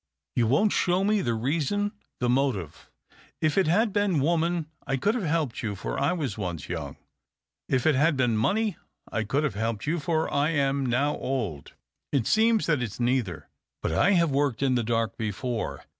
You won't show me the reason, the motive. If it had been woman 2m THE OCTAVE OF CLAUDIUS. 1 could have helped you, for I was once young. If it had been money I could have helped you, for I am now old. It seems that it's neither. But I have worked in the dark before.